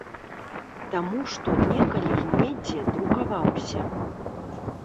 Таму што некалі і недзе друкаваўся.